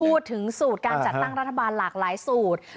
พูดถึงสูตรการจัดตั้งรัฐบาลหลากหลายสูตร